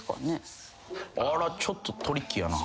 あらちょっとトリッキーやな。